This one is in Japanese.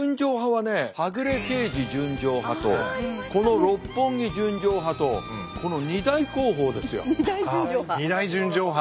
「はぐれ刑事純情派」とこの「六本木純情派」とこの二大高峰ですよ。